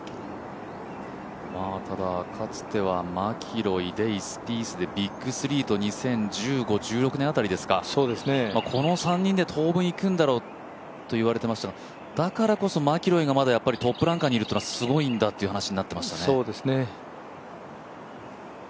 ただ、かつてはマキイロ、デイ、スピースとＢＩＧ３と、２０１５、１６あたりですか、この３人で当分いくんだろうと言われていましたが、だからこそマキロイがまだトップランカーにいるというのはすごいとなっていましたね。